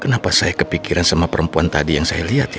kenapa saya kepikiran sama perempuan tadi yang saya lihat ya